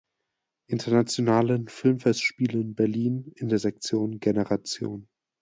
Internationalen Filmfestspielen Berlin in der Sektion „Generation“.